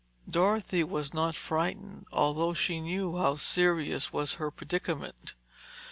Dorothy was not frightened, although she knew how serious was her predicament.